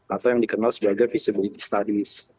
atau yang dikenal sebagai visibility studies